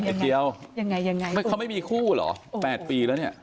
ไข่เจียวเขาไม่มีคู่เหรอ๘ปีแล้วเนี่ย